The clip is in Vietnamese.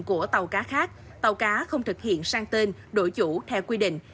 của tàu cá khác tàu cá không thực hiện sang tên đội chủ theo quy định